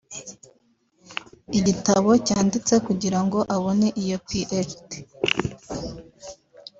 Igitabo yanditse kugira ngo abone iyo PhD